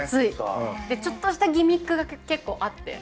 ちょっとしたギミックが結構あって。